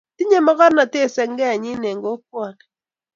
Tinyei mokornotee senge nyii eng kokwonik.